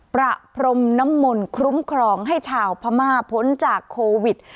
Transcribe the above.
ประพรมน้ำมนต์คุ้มครองให้ชาวพม่าพ้นจากโควิด